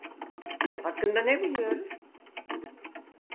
Hakkında ne biliyoruz?